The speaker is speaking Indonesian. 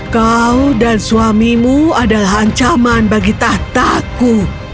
kau dan suamimu adalah ancaman bagi tahtaku